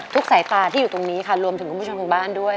สายตาที่อยู่ตรงนี้ค่ะรวมถึงคุณผู้ชมทางบ้านด้วย